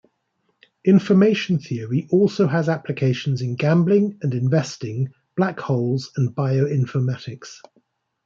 Information theory also has applications in gambling and investing, black holes, and bioinformatics.